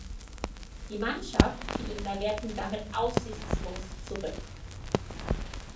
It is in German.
Die Mannschaft fiel in der Wertung damit aussichtslos zurück.